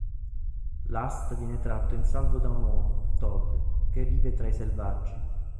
Last viene tratto in salvo da un uomo, Todd, che vive tra i selvaggi.